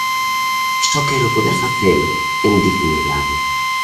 Só quero poder facelo en dignidade.